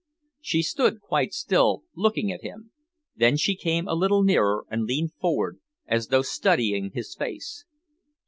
She stood quite still, looking at him. Then she came a little nearer and leaned forward, as though studying his face.